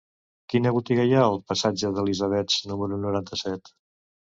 Quina botiga hi ha al passatge d'Elisabets número noranta-set?